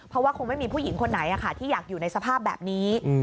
เพราะว่าคงไม่มีผู้หญิงคนไหนที่อยากอยู่ในสภาพแบบนี้